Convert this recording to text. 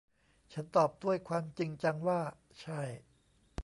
ฉันตอบด้วยความจริงจังว่า ใช่